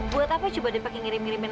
buat apa coba dia pake ngirim ngirimin